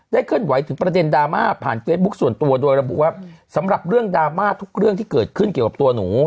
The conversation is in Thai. เคลื่อนไหวถึงประเด็นดราม่าผ่านเฟซบุ๊คส่วนตัวโดยระบุว่าสำหรับเรื่องดราม่าทุกเรื่องที่เกิดขึ้นเกี่ยวกับตัวหนู